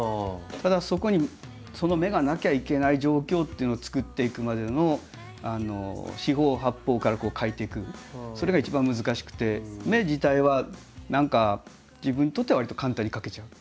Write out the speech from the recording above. ただそこにその目がなきゃいけない状況というのを作っていくまでの四方八方から描いていくそれが一番難しくて目自体は何か自分にとってはわりと簡単に描けちゃう。